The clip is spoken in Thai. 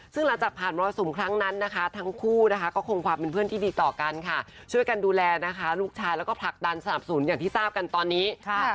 ซึ่งหลังจากผ่านมรสุมครั้งนั้นนะคะทั้งคู่นะคะก็คงความเป็นเพื่อนที่ดีต่อกันค่ะช่วยกันดูแลนะคะลูกชายแล้วก็ผลักดันสนับสนุนอย่างที่ทราบกันตอนนี้ค่ะ